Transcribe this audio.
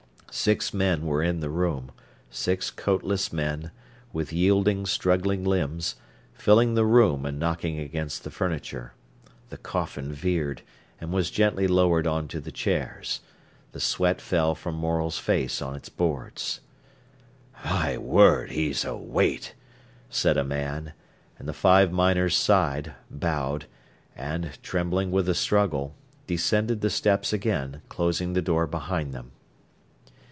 Six men were in the room—six coatless men, with yielding, struggling limbs, filling the room and knocking against the furniture. The coffin veered, and was gently lowered on to the chairs. The sweat fell from Morel's face on its boards. "My word, he's a weight!" said a man, and the five miners sighed, bowed, and, trembling with the struggle, descended the steps again, closing the door behind them.